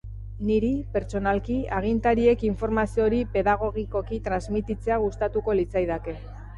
Niri, pertsonalki, agintariek informazio hori pedagogikoki transmititzea gustatuko litzaidake.